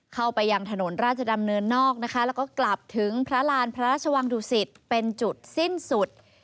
เข้าไปยังถนนราชดำเนินนอกนะคะแล้วก็กลับถึงพระราณพระราชวังดุสิตเป็นจุดสิ้นสุด